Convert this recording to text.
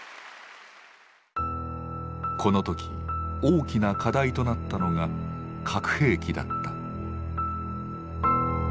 この時大きな課題となったのが核兵器だった。